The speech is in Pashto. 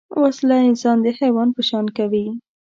وسله انسان د حیوان په شان کوي